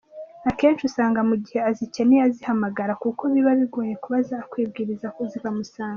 Akenshi usanga mu gihe azikeneye azihamagara kuko biba bigoye kuba zakwibiriza zikamusanga.